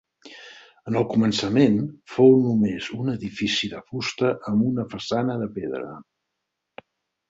En el començament, fou només un edifici de fusta amb una façana de pedra.